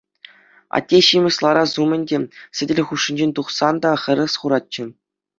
Атте ҫиме ларас умӗн те, сӗтел хушшинчен тухсан та хӗрес хуратчӗ.